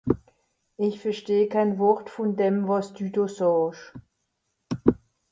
Ìch versteh kenn Wort vùn dem, wàs dü do saasch.